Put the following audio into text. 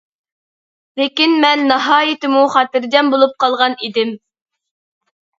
لېكىن مەن ناھايىتىمۇ خاتىرجەم بولۇپ قالغان ئىدىم.